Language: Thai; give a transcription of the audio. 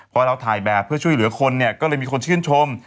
พอเราถ่ายแบบเพื่อช่วยเหลือคนเนี่ยก็เลยมีคนชื่นชม